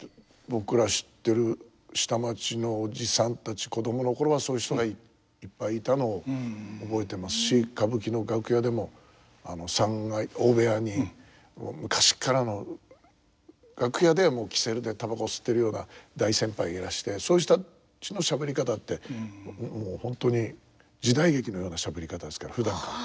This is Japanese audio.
僕ら知ってる下町のおじさんたち子供の頃はそういう人がいっぱいいたのを覚えてますし歌舞伎の楽屋でも三階大部屋にもう昔っからの楽屋では煙管でたばこ吸ってるような大先輩がいらしてそういう人たちのしゃべり方ってもう本当に時代劇のようなしゃべり方ですからふだんから。